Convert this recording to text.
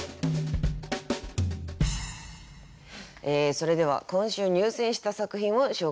それでは今週入選した作品を紹介しましょう。